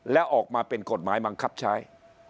แล้วออกมาเป็นกฎหมายบังคับใช้